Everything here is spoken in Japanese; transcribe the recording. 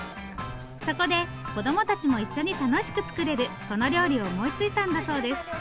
そこで子どもたちも一緒に楽しく作れるこの料理を思いついたんだそうです。